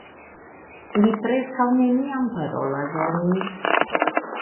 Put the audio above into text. Li preskaŭ neniam parolas al mi.